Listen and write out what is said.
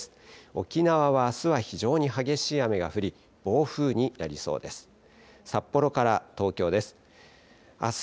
沖縄はあすは非常に激しい雨が降り、暴風になりそうです。